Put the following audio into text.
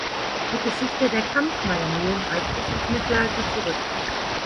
Die Geschichte der Kampffmeyer-Mühlen reicht bis ins Mittelalter zurück.